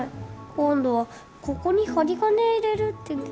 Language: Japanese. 今度はここに針金入れるって聞いた。